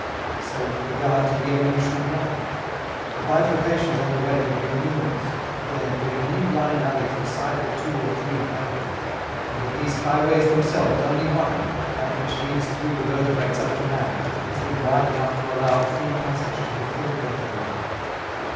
So with regard to the evolution of life. The bifurcations on the way have been numerous, but there have been many blind alleys beside the two or three highways; and of these highways themselves, only one, that which leads through the vertebrates up to man, has been wide enough to allow free passage to the full breath of life.